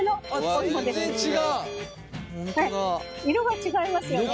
色が違いますよね。